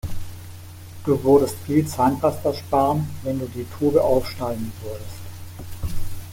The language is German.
Du würdest viel Zahnpasta sparen, wenn du die Tube aufschneiden würdest.